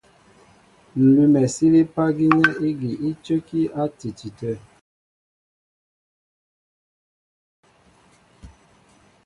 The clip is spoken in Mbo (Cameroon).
Ǹ lʉ́mɛ sílípá gínɛ́ ígi í cə́kí á ǹtiti tə̂.